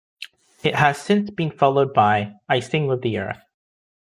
It has since been followed by "I Sing with the Earth".